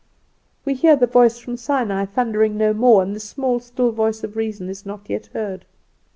We hear the voice from Sinai thundering no more, and the still small voice of reason is not yet heard.